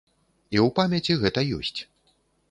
І ў памяці гэта ёсць.